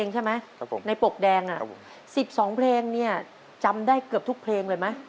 เหมือนแล้วก็มาถึงวัน